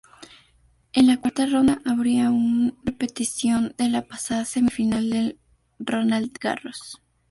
En la cuarta ronda habría un repetición de la pasada semifinal de Roland Garros.